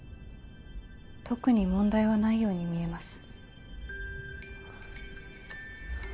特に問題はないように見えます。